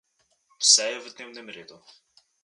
Vse je v dnevnem redu.